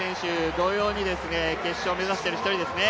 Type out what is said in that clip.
同様に決勝目指している１人ですね。